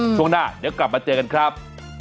ช่วงหน้าเดี๋ยวกลับมาเจอกันครับ